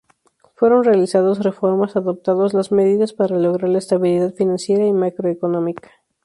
Fueron realizados reformas, adoptados las medidas para lograr la estabilidad financiera y macroeconómica.